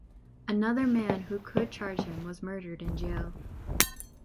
Another man who could charge him was murdered in jail.